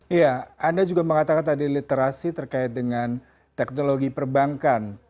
iya anda juga mengatakan tadi literasi terkait dengan teknologi perbankan